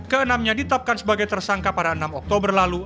keenamnya ditapkan sebagai tersangka pada enam oktober lalu